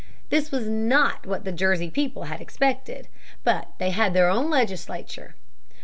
This was not what the Jersey people had expected. But they had their own legislature.